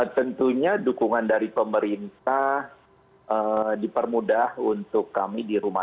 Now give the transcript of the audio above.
tentunya dukungan dari pemerintah dipermudah untuk kami di rumah